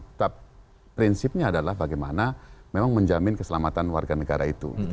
tetap prinsipnya adalah bagaimana memang menjamin keselamatan warga negara itu